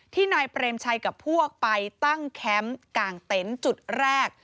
นายเปรมชัยกับพวกไปตั้งแคมป์กลางเต็นต์จุดแรก